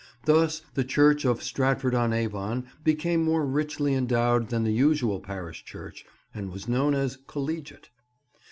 Thus the church of Stratford on Avon became more richly endowed than the usual parish church, and was known as "collegiate."